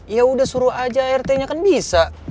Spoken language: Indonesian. yaudah suruh aja artnya kan bisa